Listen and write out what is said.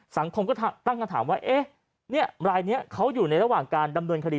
สังคมก็ตั้งคำถามว่าเอ๊ะรายนี้เขาอยู่ในระหว่างการดำเนินคดี